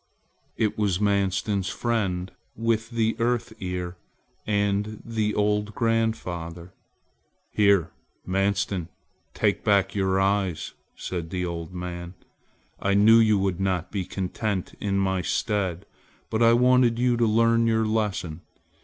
It was Manstin's friend with the Earth Ear and the old grandfather. "Here Manstin, take back your eyes," said the old man, "I knew you would not be content in my stead, but I wanted you to learn your lesson.